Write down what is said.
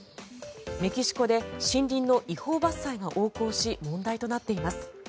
メキシコで森林の違法伐採が横行し、問題となっています。